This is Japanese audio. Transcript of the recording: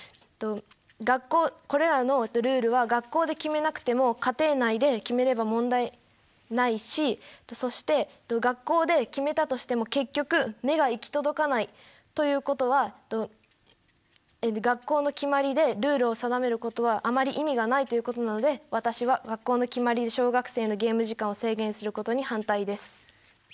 学校これらのルールは学校で決めなくても家庭内で決めれば問題ないしそして学校で決めたとしても結局目が行き届かないということは学校の決まりでルールを定めることはあまり意味がないということなので私は学校の決まりで小学生のゲーム時間を制限することに反対です。